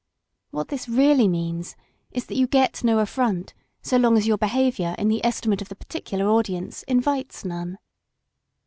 What this really means is that you get no affront so long as your behavior in the esti mate of the particular audience invites none.